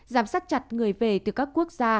giám sát chặt người về từ các quốc gia